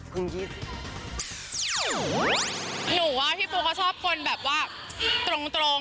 หนูว่าพี่ปูก็ชอบคนแบบว่าตรง